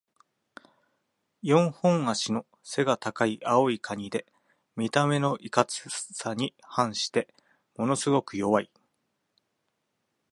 四本脚の背が高い青いカニで、見た目のいかつさに反してものすごく弱い。